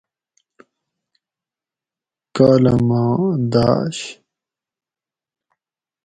کالامہ داۤش